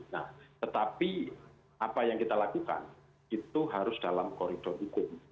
nah tetapi apa yang kita lakukan itu harus dalam koridor hukum